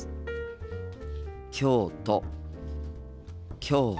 京都。